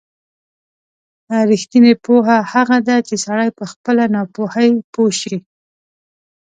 رښتینې پوهه هغه ده چې سړی په خپله ناپوهۍ پوه شي.